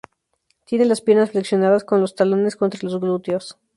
Tiene las piernas flexionadas con los talones contra los glúteos.